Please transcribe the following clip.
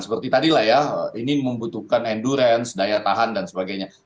seperti tadi lah ya ini membutuhkan endurance daya tahan dan sebagainya